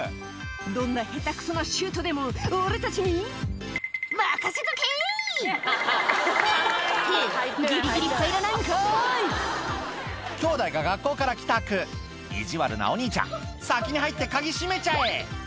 「どんな下手くそなシュートでも俺たちに任せとけい！」ってギリギリ入らないんかい兄弟が学校から帰宅意地悪なお兄ちゃん「先に入って鍵閉めちゃえ」